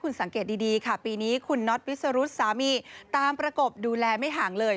คุณสังเกตดีค่ะปีนี้คุณน็อตวิสรุธสามีตามประกบดูแลไม่ห่างเลย